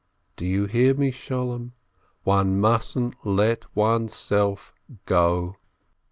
Do you hear me, Sholem? One mustn't let oneself go!"